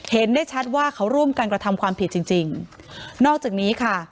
เห็นได้ชัดว่าเขาร่วมกันกระทำความผิดจริงจริงนอกจากนี้ค่ะ